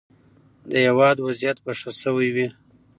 د هیواد وضعیت به ښه شوی وي.